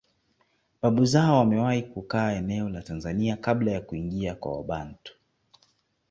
Babu zao wamewahi kukaa eneo la Tanzania kabla ya kuingia kwa Wabantu